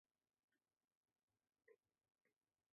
Què va fer amb la seva testa?